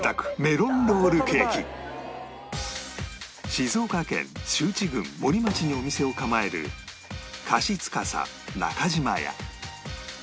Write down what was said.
静岡県周智郡森町にお店を構える菓子司中島屋